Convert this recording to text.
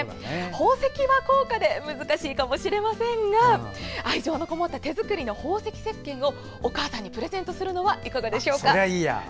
宝石は高価で難しいかもしれませんが愛情のこもった手作りの宝石せっけんをお母さんにプレゼントするのはいかがでしょうか？